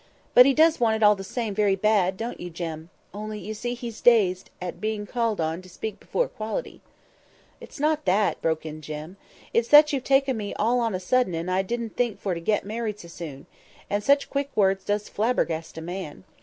—But he does want it all the same, very bad—don't you, Jem?—only, you see, he's dazed at being called on to speak before quality." [Picture: Please, ma'am, he wants to marry me off hand] "It's not that," broke in Jem. "It's that you've taken me all on a sudden, and I didn't think for to get married so soon—and such quick words does flabbergast a man.